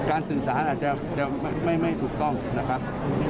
อาจจะไม่ถูกต้องนะครับ